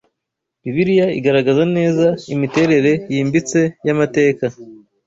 Bibiliya igaragaza neza imiterere yimbitse y’amateka